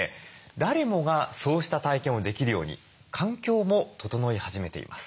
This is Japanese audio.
誰もがそうした体験をできるように環境も整い始めています。